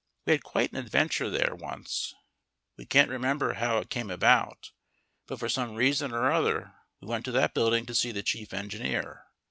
We had quite an adventure there once. We can't remember how it came about, but for some reason or other we went to that building to see the chief engineer.